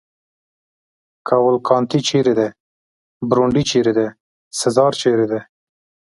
کاوالکانتي چېرې دی؟ برونډي چېرې دی؟ سزار چېرې دی؟